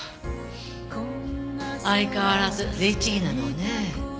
相変わらず律儀なのね。